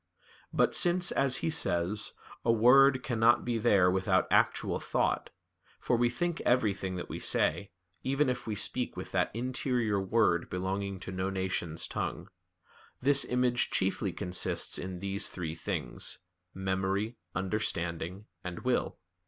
"But since," as he says, "a word cannot be there without actual thought (for we think everything that we say, even if we speak with that interior word belonging to no nation's tongue), this image chiefly consists in these three things, memory, understanding, and will.